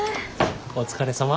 お疲れさま。